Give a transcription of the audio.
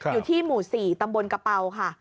อยู่ที่หมู่๔ตำบลกระเป๋าค่ะ